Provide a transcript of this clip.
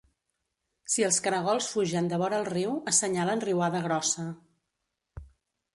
Si els caragols fugen de vora el riu, assenyalen riuada grossa.